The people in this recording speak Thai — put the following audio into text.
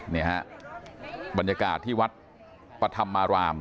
นี่ฮะบรรยากาศที่วัดปธรรมาราม